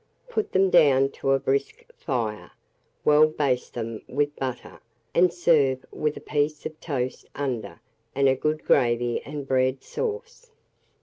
Put them down to a brisk fire, well baste them with butter, and serve with a piece of toast under, and a good gravy and bread sauce.